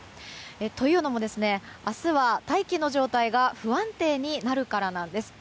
というのも、明日は大気の状態が不安定になるからなんです。